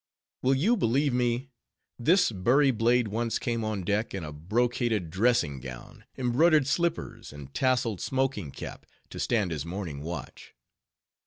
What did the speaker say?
Will you believe me, this Bury blade once came on deck in a brocaded dressing gown, embroidered slippers, and tasseled smoking cap, to stand his morning watch.